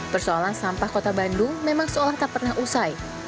persoalan sampah kota bandung memang seolah tak pernah usai